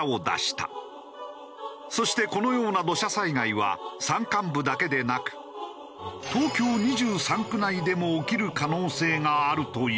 そしてこのような土砂災害は山間部だけでなく東京２３区内でも起きる可能性があるというのだ。